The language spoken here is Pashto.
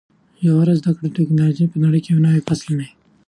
ژوره زده کړه د ټکنالوژۍ په نړۍ کې یو نوی فصل دی.